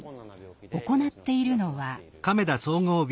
行っているのは。